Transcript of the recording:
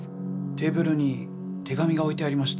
テーブルに手紙が置いてありました。